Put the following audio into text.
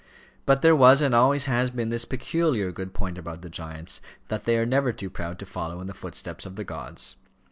But there was and always has been this peculiar good point about the giants, that they are never too proud to follow in the footsteps of the gods.